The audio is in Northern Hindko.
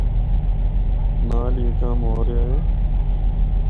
نال ہی اے کم ہو رہیا اے۔